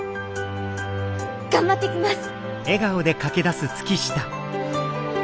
頑張ってきます！